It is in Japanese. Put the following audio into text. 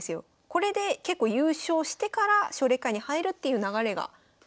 これで結構優勝してから奨励会に入るっていう流れが当時多かったです。